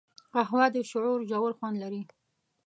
قهوه د شعور ژور خوند لري